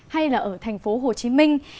hay là ở thành phố hồ chí minh